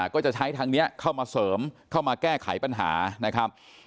ก็จะใช้ทางนี้เข้ามาเสริมเข้ามาแก้ไขปัญหานะครับ